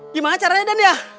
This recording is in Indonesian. gimana caranya den ya